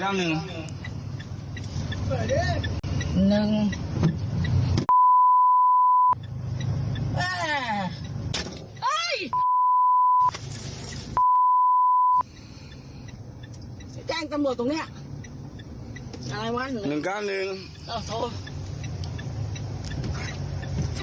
แจ้งตำรวจตรงเนี้ยอะไรวะหนึ่งเก้าหนึ่งอ้าวโทร